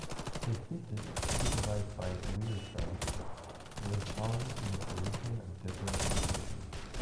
His thesis, supervised by Weierstrass, was on the solution of differential equations.